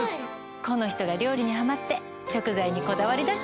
この人が料理にハマって食材にこだわり出しちゃって。